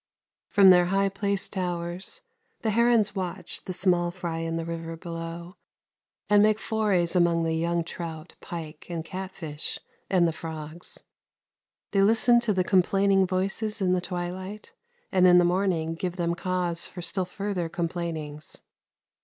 From their high placed towers the herons watch the small fry in the river below and make forays among the young trout, pike and catfish and the frogs. They listen to the complaining voices in the twilight and in the morning give them cause for still further complainings.